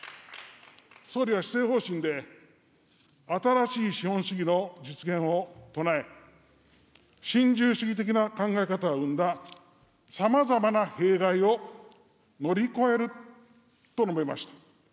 総理は施政方針で、新しい資本主義の実現を唱え、新自由主義的な考え方を生んだ、さまざまな弊害を乗り越えると述べました。